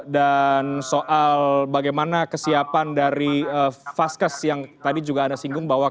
dan soal bagaimana kesiapan dari faskes yang tadi juga ada singgung bahwa